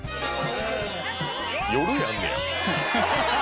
夜やんねや。